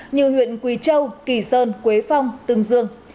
như huyện quỳ châu kỳ sơn quế phong tương dương